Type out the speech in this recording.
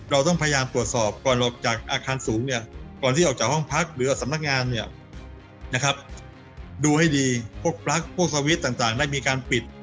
เราต้องพยายามตรวจสอบก่อนหลบจากอาคารสูงเนี่ยก่อนที่ออกจากห้องพักหรือสำนักงานเนี่ยนะครับดูให้ดีพวกปลั๊กพวกสวิตช์ต่างได้มีการปิด